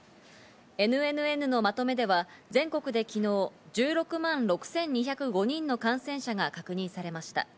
ＮＮＮのまとめでは、全国で昨日、新たに１６万６２０５人の感染者が確認されました。